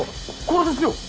これですよ！